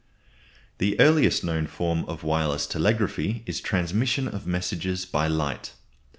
The earliest known form of wireless telegraphy is transmission of messages by light.